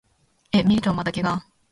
え、ミリトンまた怪我？